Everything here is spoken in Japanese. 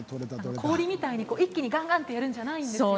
氷みたいに一気に、がんがんとやるんじゃないんですね。